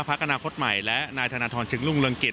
พระกรรมคตใหม่และนายธนทรจึงลุงเริงกฤทธิ์